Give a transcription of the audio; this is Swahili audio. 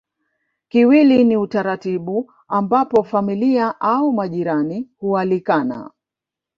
Kiwili ni utaratibu ambapo familia au majirani hualikana